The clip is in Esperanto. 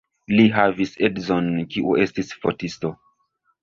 Li havis edzon, kiu estis fotisto.